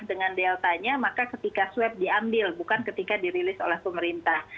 dengan deltanya maka ketika swab diambil bukan ketika dirilis oleh pemerintah